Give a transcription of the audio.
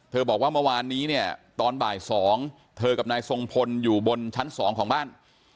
บอกว่าเมื่อวานนี้เนี่ยตอนบ่าย๒เธอกับนายทรงพลอยู่บนชั้น๒ของบ้าน